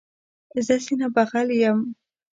زه سینه بغل یم.